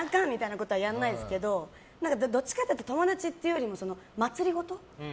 ことはやらないですけどどっちかっていうと友達っていうよりも祭りごと。